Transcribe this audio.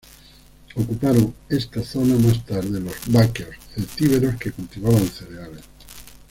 Ocuparon esta zona más tarde los vacceos, celtíberos que cultivaban cereales.